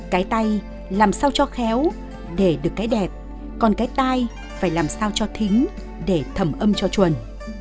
cái tay làm sao cho khéo để được cái đẹp còn cái tai phải làm sao cho thính để thẩm âm cho chuẩn